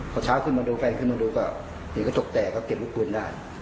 พอเช้าขึ้นมาดูแฟนขึ้นมาดูก็เห็นกระจกแตกครับเก็บลูกปืนได้